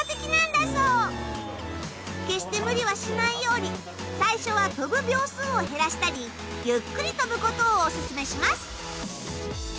決して無理はしないように最初は跳ぶ秒数を減らしたりゆっくり跳ぶことをお薦めします。